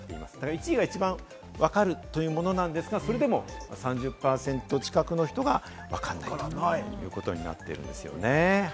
１位が一番分かるというものなんですが、それでも３０％近くの人がわかんないということになっています。